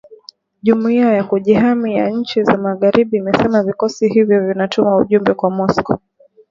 jumuiya ya kujihami ya nchi za magharibi imesema vikosi hivyo vinatuma ujumbe kwa Moscow